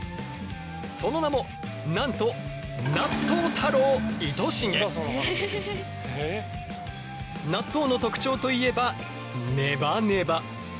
その名もなんと納豆の特徴といえばネバネバ！